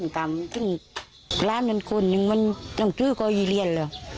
ล้านหนึ่งหนึ่งหนึ่งมันตั้งชื่อก็อยี่เรียนแหละ